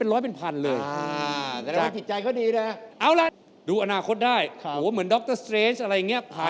นี่อันนี้คำแท้โอ้โฮอยากอ่านใจคน